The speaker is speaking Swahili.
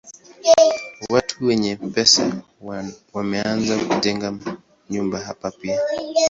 Watu wenye pesa wameanza kujenga nyumba hapa pia.